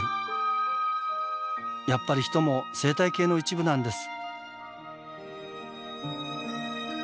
やっぱり人も生態系の一部なんです。